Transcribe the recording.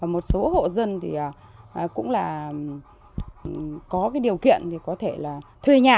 một số hộ dân thì cũng là có cái điều kiện thì có thể là thuê nhà